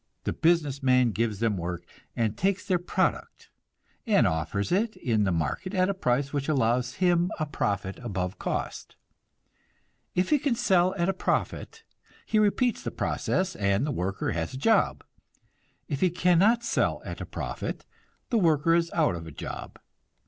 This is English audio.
The business man gives them work, and takes their product, and offers it in the market at a price which allows him a profit above cost. If he can sell at a profit, he repeats the process, and the worker has a job. If he cannot sell at a profit, the worker is out of a job.